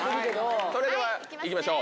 それでは行きましょう。